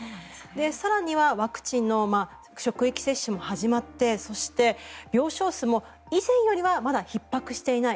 更にはワクチンの職域接種も始まってそして、病床数も以前よりはまだひっ迫していない。